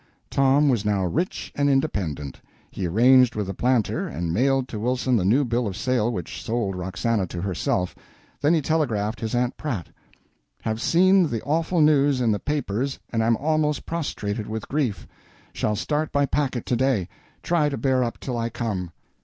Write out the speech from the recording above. Tom was now rich and independent. He arranged with the planter, and mailed to Wilson the new bill of sale which sold Roxana to herself; then he telegraphed his Aunt Pratt: Have seen the awful news in the papers and am almost prostrated with grief. Shall start by packet to day. Try to bear up till I come.